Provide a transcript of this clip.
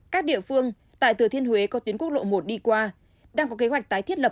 các địa phương tại thừa thiên huế có tuyến quốc lộ một đi qua đang có kế hoạch tái thiết lập